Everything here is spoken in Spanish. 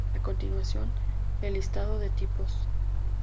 A continuación, el listado de tipos.